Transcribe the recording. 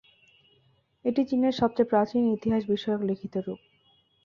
এটি চীনের সবচেয়ে প্রাচীন ইতিহাস বিষয়ক লিখিত রূপ।